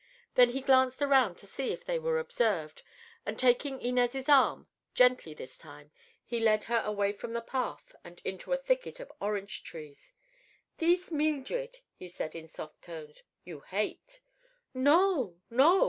Then he glanced around to see if they were observed and taking Inez' arm—gently, this time—he led her away from the path and into a thicket of orange trees. "Thees Meeldred," he said in soft tones, "you hate." "No, no!